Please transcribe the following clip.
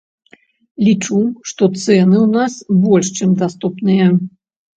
Лічу, што цэны ў нас больш чым даступныя.